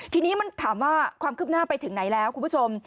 ทีนี้มันถามว่าความคืบหน้าไปถึงไหนแล้วคุณผู้ชม